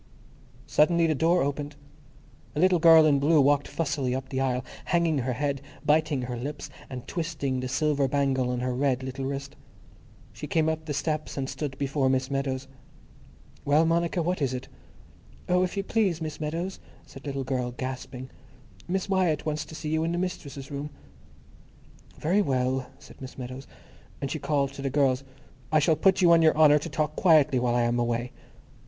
Suddenly the door opened. A little girl in blue walked fussily up the aisle, hanging her head, biting her lips, and twisting the silver bangle on her red little wrist. She came up the steps and stood before Miss Meadows. "Well, Monica, what is it?" "Oh, if you please, Miss Meadows," said the little girl, gasping, "Miss Wyatt wants to see you in the mistress's room." "Very well," said Miss Meadows. And she called to the girls, "I shall put you on your honour to talk quietly while I am away."